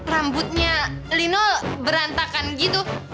rambutnya lino berantakan gitu